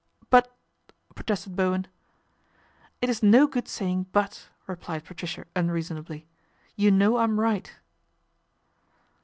" But," protested Bowen. " It's no good saying ' but/ " replied Patricia unreasonably, " you know I'm right."